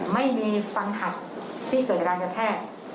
ไม่มีฟังผัดที่เกิดกันแถบ